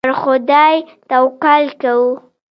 پر خدای توکل کوه.